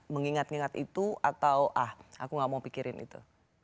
mengingat ingat itu atau ah aku gak mau pikirin itu